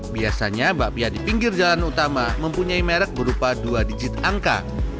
biasanya bakpia di pinggir jalan utama mempunyai merek berupa dua digit angka